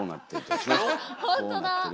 ほんとだ。